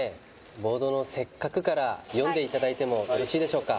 ボードの「せっかく」から読んでいただいてもよろしいでしょうか？